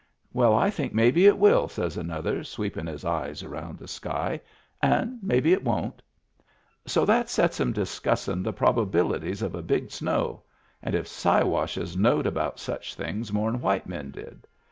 "Well, I think maybe it will," says another, sweepin' his eyes around the sky. " And maybe it won't." So that sets 'em discussin' the probabilities of a big snow and if Siwashes knowed about such things more'n white men did.